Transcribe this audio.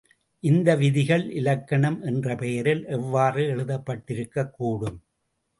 இந்த விதிகள் இலக்கணம் என்ற பெயரில் எவ்வாறு எழுதப்பட்டிருக்கக் கூடும்?